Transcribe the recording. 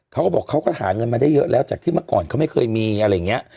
เขาก็บอกเขาก็หาเงินมาได้เยอะแล้วจากที่เมื่อก่อนเขาไม่เคยมีอะไรอย่างนี้